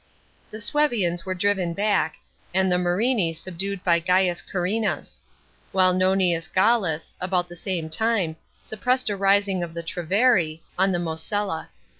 Tie Suevians were driven back, and the Moriiii subdued by Gaius Carrinas; while Nonius (.iallus, about the same time, suppressed a rising of the Treveri, on the MosHla.